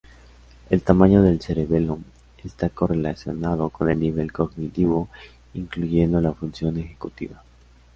El tamaño del cerebelo está correlacionado con el nivel cognitivo, incluyendo la función ejecutiva.